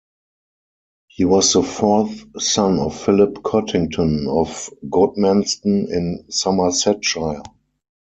He was the fourth son of Philip Cottington of Godmanston in Somersetshire.